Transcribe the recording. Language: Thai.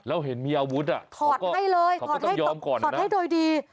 แล้วเห็นมีอาวุธอ่ะเขาก็ต้องยอมก่อนนะถอดให้เลยเขาก็ต้องยอมก่อนนะ